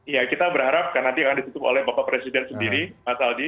ya kita berharap karena nanti akan ditutup oleh bapak presiden sendiri mas aldi